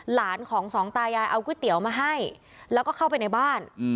หลานของสองตายายเอาก๋วยเตี๋ยวมาให้แล้วก็เข้าไปในบ้าน